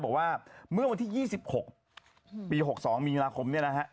บอกว่าเมื่อวันที่๒๖ปี๖๒มีนาคมเนี่ยนะฮะ